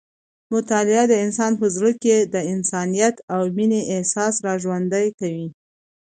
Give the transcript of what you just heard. مطالعه د انسان په زړه کې د انسانیت او مینې احساس راژوندی کوي.